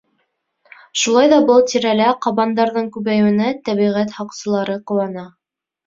Шулай ҙа был тирәлә ҡабандарҙың күбәйеүенә тәбиғәт һаҡсылары ҡыуана.